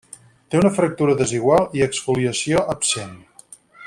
Té una fractura desigual i exfoliació absent.